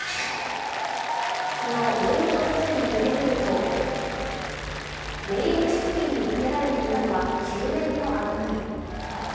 昨日上野動物園に行ってみると出入り口付近に立てられていたのは休園の案内。